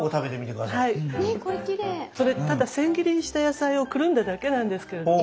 それただ千切りにした野菜をくるんだだけなんですけれども。